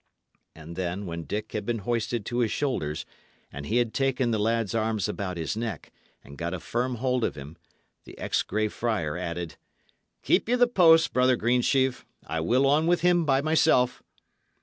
And then, when Dick had been hoisted to his shoulders, and he had taken the lad's arms about his neck, and got a firm hold of him, the ex Grey Friar added: "Keep ye the post, brother Greensheve. I will on with him by myself."